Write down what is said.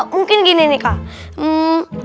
mungkin gini nih kak